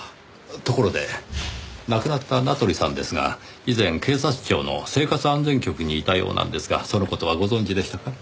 ところで亡くなった名取さんですが以前警察庁の生活安全局にいたようなんですがその事はご存じでしたか？